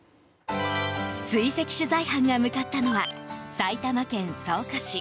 追跡取材班が向かったのは埼玉県草加市。